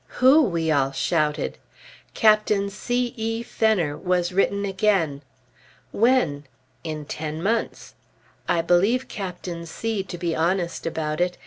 "Who?" we all shouted. "Captain C. E. Fenner" was written again. When? In ten months. I believe Captain C to be honest about it.